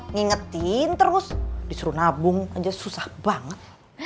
ngingetin terus disuruh nabung aja susah banget